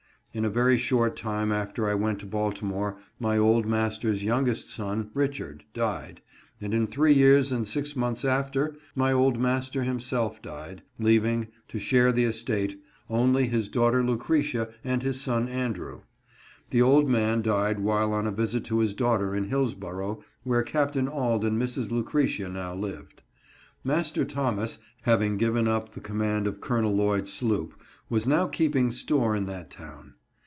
In a very short time after I went to Baltimore my old master's youngest son, Richard, died ; and in three years and six months after, my old master himself died, leaving, to share the estate, only his daughter Lucretia and his son Andrew. The old man died while on a visit to his daughter in Hillsborough, where Capt. Auld and Mrs. Lucretia now lived. Master Thomas, having given up the (116) CHATTELS TO BE DIVIDED. 117 command of Col. Lloyd's sloop, was now keeping store in that town.